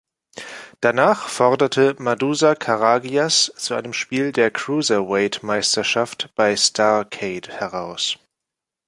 Danach forderte Madusa Karagias zu einem Spiel der Cruiserweight-Meisterschaft bei Starrcade heraus.